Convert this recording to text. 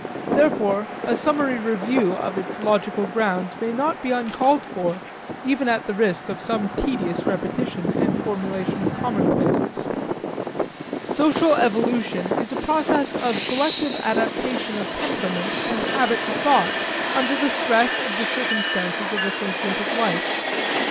Therefore a summary review of its logical grounds may not be uncalled for, even at the risk of some tedious repetition and formulation of commonplaces. Social evolution is a process of selective adaptation of temperament and habits of thought under the stress of the circumstances of associated life.